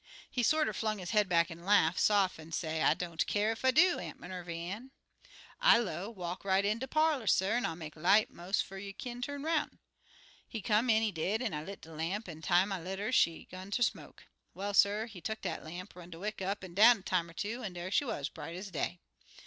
He sorter flung his head back an' laugh, saft like, an' say, 'I don't keer ef I do, Aunt Minervy Ann.' "I low, 'Walk right in de parlor, suh, an' I'll make a light mos' 'fo' you kin turn 'roun'. He come in, he did, an' I lit de lamp, an' time I lit 'er she 'gun ter smoke. Well, suh, he tuck dat lamp, run de wick up an' down a time er two, an' dar she wuz, bright ez day.